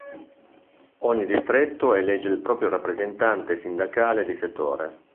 Ogni distretto elegge il proprio rappresentante sindacale di settore.